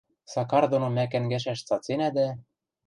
— Сакар доно мӓ кӓнгӓшӓш цаценӓ дӓ...